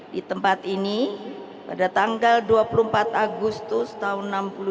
di tempat ini pada tanggal dua puluh empat agustus tahun seribu sembilan ratus enam puluh dua